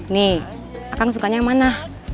nih akang sukanya yang mana